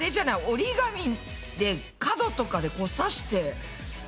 折り紙で角とかでさして穴を。